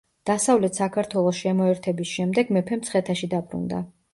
დასავლეთ საქართველოს შემოერთების შემდეგ მეფე მცხეთაში დაბრუნდა.